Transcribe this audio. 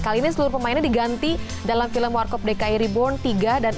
kali ini seluruh pemainnya diganti dalam film warcop dki reborn tiga dan empat